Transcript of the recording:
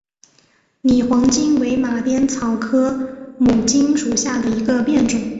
拟黄荆为马鞭草科牡荆属下的一个变种。